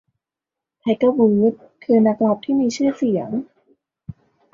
ไทเกอร์ วูดส์ คือนักกอล์ฟที่มีชื่อเสียง